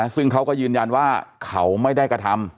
ซึ่งเขาก็ยืนยันว่าเขาไม่ได้กระทำ